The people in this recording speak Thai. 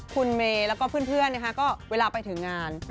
คุณเมย์แล้วก็เพื่อนก็เวลาไปถึงงาน